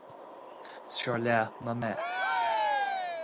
Is fearr leath ná meath.